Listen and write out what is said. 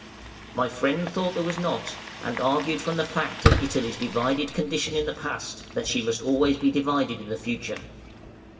My friend thought there was not, and argued from the fact of Italy's divided condition in the past, that she must always be divided in the future.